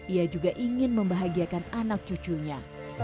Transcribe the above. ia juga ingin membahagiakan anak cucunya